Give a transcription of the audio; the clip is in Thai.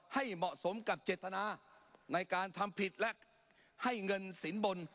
ให้เหมาะสมกับเจตนาในการทำผิดและให้เงินสินบน